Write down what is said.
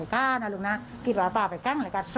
ตอนนั้นก็อยากถูกจังแกะ